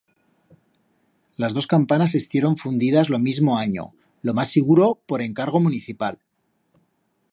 Las dos campanas estieron fundidas lo mismo anyo, lo mas siguro por encargo municipal.